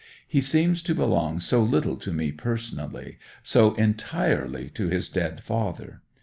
He seems to belong so little to me personally, so entirely to his dead father.